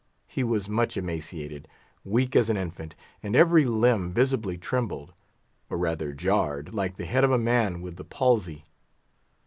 He was much emaciated, weak as an infant, and every limb visibly trembled, or rather jarred, like the head of a man with the palsy.